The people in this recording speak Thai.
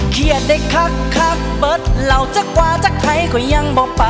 เครียดได้คักคักเบิดเหล่าจากกว่าจากใครก็ยังบ่อไป